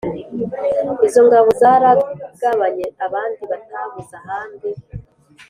Izo ngabo Zaragabanye abandi Batabuze ahandi!